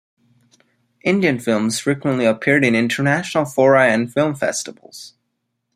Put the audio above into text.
Indian films frequently appeared in international fora and film festivals.